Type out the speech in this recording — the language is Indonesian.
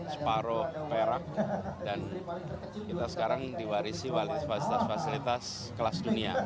separuh perak dan kita sekarang diwarisi fasilitas fasilitas kelas dunia